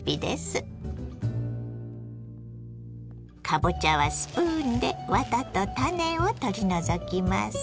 かぼちゃはスプーンでワタと種を取り除きます。